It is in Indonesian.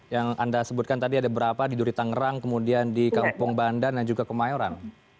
yang anda sebutkan tadi ada berapa di duri tangerang kemudian di kampung bandan dan juga kemayoran